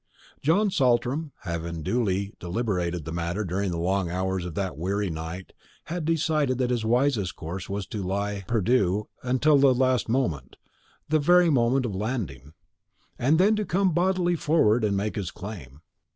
Mr. Saltram, having duly deliberated the matter during the long hours of that weary night, had decided that his wisest course was to lie perdu until the last moment, the very moment of landing, and then to come boldly forward and make his claim.